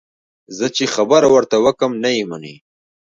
زه چې خبره ورته وکړم، نه یې مني.